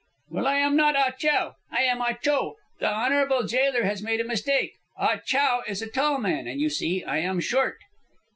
"Well, I am not Ah Chow. I am Ah Cho. The honourable jailer has made a mistake. Ah Chow is a tall man, and you see I am short."